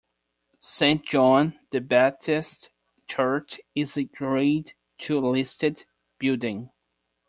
St John the Baptist Church is a grade two-listed building.